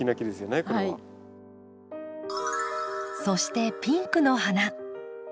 そしてピンクの花。